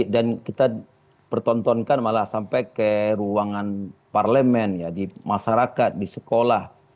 dan kita pertontonkan malah sampai ke ruangan parlemen di masyarakat di sekolah